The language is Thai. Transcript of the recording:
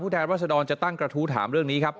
แทนรัศดรจะตั้งกระทู้ถามเรื่องนี้ครับ